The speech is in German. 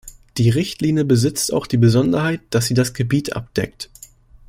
Die Richtlinie besitzt auch die Besonderheit, dass sie das Gebiet abdeckt.